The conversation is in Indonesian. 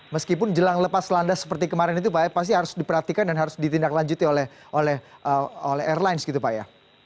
meskipun jelang lepas landas seperti kemarin itu pak ya pasti harus diperhatikan dan harus ditindaklanjuti oleh airlines gitu pak ya